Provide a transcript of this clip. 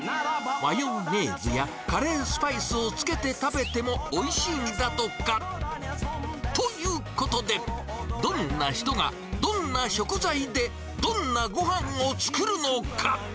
マヨネーズやカレースパイスをつけて食べてもおいしいんだとか。ということで、どんな人が、どんな食材で、どんなごはんを作るのか。